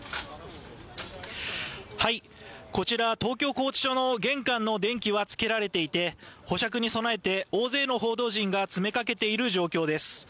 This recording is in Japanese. こちら東京拘置所の玄関の電気はつけられていて保釈に備えて大勢の報道陣が詰めかけている状況です。